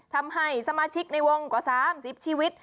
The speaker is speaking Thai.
ทำให้สมาชิกในวงกว่า๓๐ชีวิต